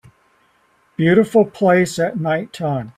beautiful place at nighttime